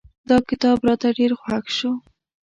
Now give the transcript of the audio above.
دا کتاب راته ډېر خوښ شو.